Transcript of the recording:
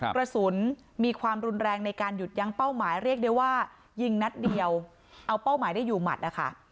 กระสุนมีความรุนแรงในการหยุดยั้งเป้าหมายเรียกได้ว่ายิงนัดเดียวเอาเป้าหมายได้อยู่หมัดนะคะ